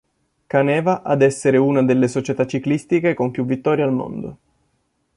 Caneva ad essere una delle società ciclistiche con più vittorie al mondo.